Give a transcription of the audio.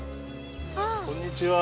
こんにちは。